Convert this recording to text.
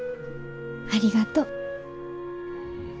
ありがとう。